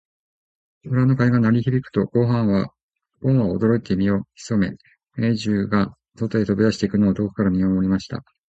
村の鐘が鳴り響くと、ごんは驚いて身を潜め、兵十が外へ飛び出していくのを遠くから見守りました。